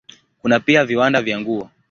Kuna pia viwanda vya nguo.